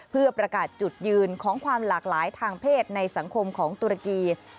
เพื่อประกาศจุดยืนของความหลากหลายทางเพศในสังคมของตุรกี